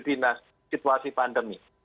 dinas di situasi pandemi